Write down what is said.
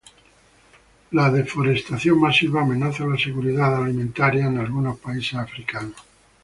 La deforestación masiva amenaza la seguridad alimentaria en algunos países africanos.